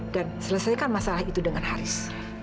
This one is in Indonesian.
dan selesaikan masalah itu dengan haris